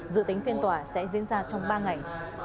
dự tính phiên tòa sẽ diễn ra trong ba ngày